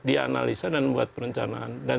dianalisa dan membuat perencanaan dan